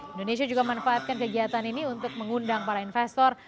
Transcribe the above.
indonesia juga memanfaatkan kegiatan ini untuk mengundang para investor